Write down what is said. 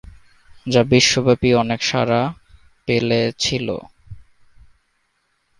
যা বিশ্বব্যাপী অনেক সাড়া পেলে ছিল।